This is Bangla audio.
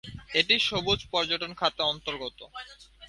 এটি সবুজ পর্যটন খাতে অন্তর্গত।